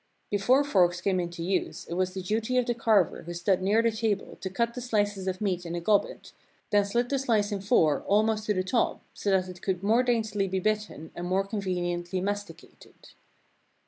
Before forks came into use it was the duty of the carver who stood near the table to cut the slices of meat in a gobbet, then slit the slice in four almost to the top, so that it could more daintily be bitten and more conveniently masticated.